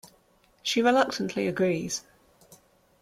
She reluctantly agrees.